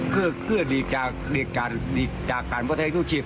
คือหลีกจากทานพลังชูชีพ